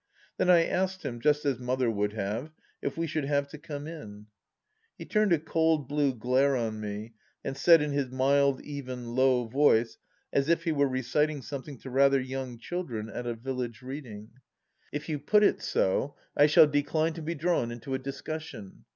Then I asked him, just as Mother would have, if we should have to " come in "? He turned a cold blue glare on me and said in his mild, even, low voice, as if he were reciting something to rather young children at a Village Reading : THE LAST DITCH 99 " If you put it so I shall decline to be drawn into a dis cussion.